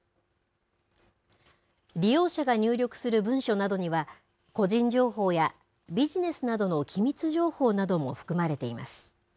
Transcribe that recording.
利用者が入力する文書などには、個人情報やビジネスなどの機密情報なども含まれています。